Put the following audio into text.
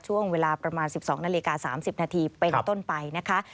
ช่วงเวลาประมาณ๑๒นาฬิกา๓๐นาทีเป็นต้นไปนะคะ